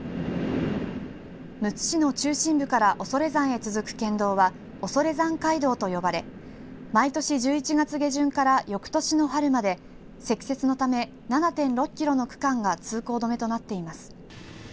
むつ市の中心部から恐山へ続く県道は、恐山街道と呼ばれ毎年１１月下旬からよくとしの春まで積雪のため７．６キロの区間が通行止めとなっています。